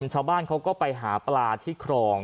ชาวบ้านเขาก็ไปหาปลาที่ครอง